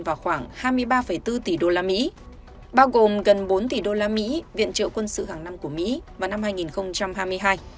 vào khoảng hai mươi ba bốn tỷ usd bao gồm gần bốn tỷ usd viện trợ quân sự hàng năm của mỹ vào năm hai nghìn hai mươi hai